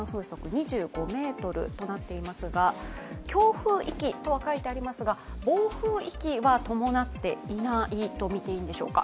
風速２５メートルとなっていますが強風域とは書いてありますが、暴風域は伴っていないとみていいんでしょうか。